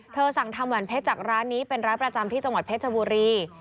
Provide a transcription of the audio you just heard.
สั่งทำแหวนเพชรจากร้านนี้เป็นร้านประจำที่จังหวัดเพชรบุรี